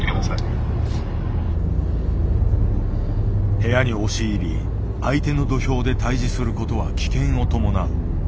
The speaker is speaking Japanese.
部屋に押し入り相手の土俵で対峙することは危険を伴う。